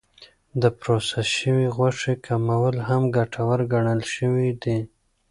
د پروسس شوې غوښې کمول هم ګټور ګڼل شوی دی.